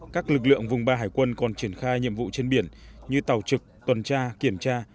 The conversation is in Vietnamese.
các lực lượng vùng ba hải quân còn triển khai nhiệm vụ trên biển như tàu trực tuần tra kiểm tra